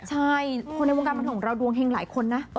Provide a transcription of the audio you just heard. ใช่คนในวงการพันธุ์ของเราดวงแห่งหลายคนนะ